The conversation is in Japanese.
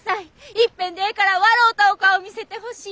いっぺんでええから笑うたお顔を見せてほしい。